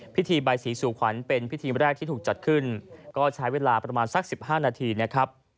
พิธีใบสีสู่ขวัญเป็นพิธีแรกที่ถูกจัดขึ้นก็ใช้เวลาประมาณสัก๑๕นาทีนะครับ